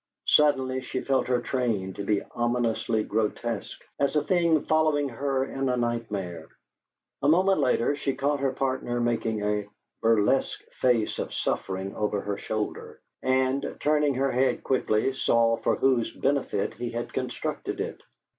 Suddenly she felt her train to be ominously grotesque, as a thing following her in a nightmare. A moment later she caught her partner making a burlesque face of suffering over her shoulder, and, turning her head quickly, saw for whose benefit he had constructed it.